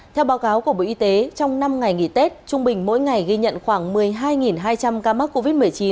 theo báo cáo của bộ y tế trong năm ngày nghỉ tết trung bình mỗi ngày ghi nhận khoảng một mươi hai hai trăm linh ca mắc covid một mươi chín